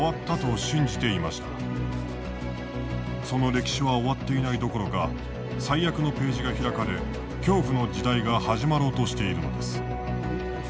その歴史は終わっていないどころか最悪のページが開かれ恐怖の時代が始まろうとしているのです。